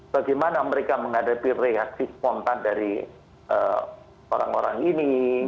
bagaimana mereka menghadapi reaksi spontan dari orang orang ini